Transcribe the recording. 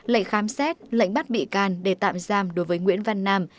lệnh khám xét lệnh bắt bị can để tạm giam đối với nguyễn văn nam